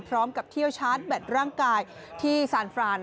พร้อมกับเที่ยวชาร์จแบตร่างกายที่ซานฟราน